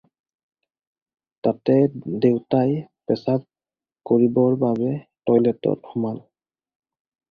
তাতে দেউতাই পেছাব কৰিবৰ বাবে টইলেটত সোমাল।